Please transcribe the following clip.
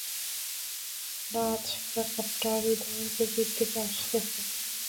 নাচ ব্যাপারটা হৃদয়ের গভীর থেকে আসতে হয়।